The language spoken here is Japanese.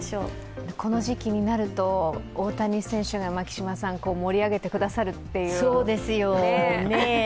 この時期になると、大谷選手が盛り上げてくださるっていうね。